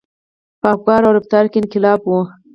• په افکارو او رفتار کې انقلاب و.